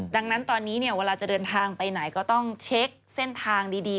ดังนั้นตอนนี้เนี่ยเวลาจะเดินทางไปไหนก็ต้องเช็คเส้นทางดี